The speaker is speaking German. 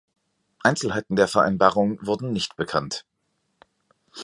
Einzelheiten der Vereinbarung wurden nicht bekannt.